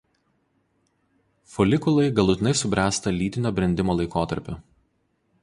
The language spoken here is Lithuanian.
Folikulai galutinai subręsta lytinio brendimo laikotarpiu.